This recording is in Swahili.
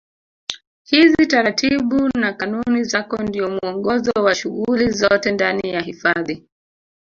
Hizi taratibu na kanuni zake ndio mwongozo wa shughuli zote ndani ya hifadhi